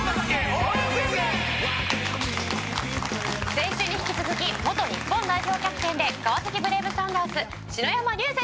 先週に引き続き元日本代表キャプテンで川崎ブレイブサンダース篠山竜青選手にお越し頂きました。